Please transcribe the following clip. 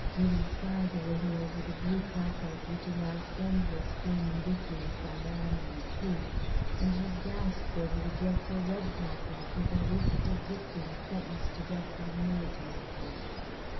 Vivie sighed a little over the Blue Placards which announced endless German victories by land and sea; and she gasped over the dreadful Red Placards with their lists of victims sentenced to death by the military courts.